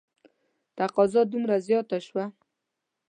تقاضا دومره زیاته شوه.